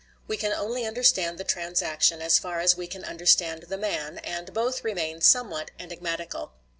We can only understand the transaction as far as we can understand the man, and both remain somewhat enigmatical.